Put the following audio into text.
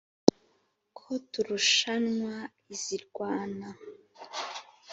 ko turushanwa izirwana